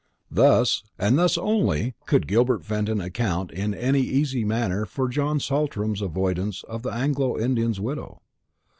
Thus, and thus only, could Gilbert Fenton account in any easy manner for John Saltram's avoidance of the Anglo Indian's widow.